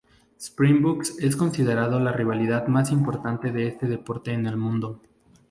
Springboks es considerado la rivalidad más importante de este deporte en el Mundo.